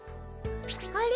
あれ？